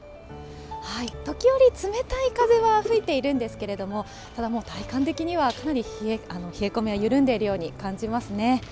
時折冷たい風は吹いているんですけれども、ただもう、体感的にはかなり冷え込みは緩んでいるように感じますね。